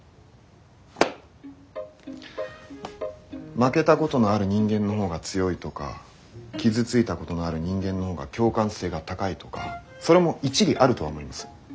負けたことのある人間の方が強いとか傷ついたことのある人間の方が共感性が高いとかそれも一理あるとは思います。